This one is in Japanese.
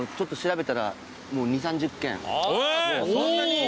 そんなに？